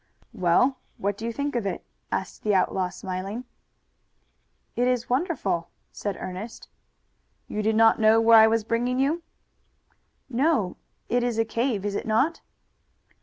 "Well, what do you think of it?" asked the outlaw, smiling. "It is wonderful," said Ernest. "You did not know where I was bringing you?" "No. It is a cave, is it not?"